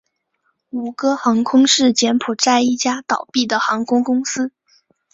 吴哥航空是柬埔寨一家倒闭的航空公司。